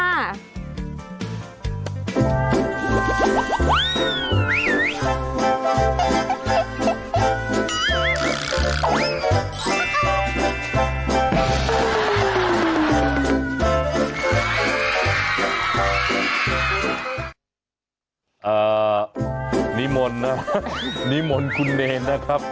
นิมนต์นะนิมนต์คุณเนรนะครับ